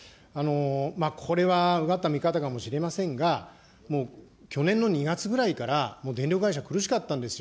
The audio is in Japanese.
これはうがった見方かもしれませんが、もう去年の２月ぐらいから、もう電力会社、苦しかったんですよ。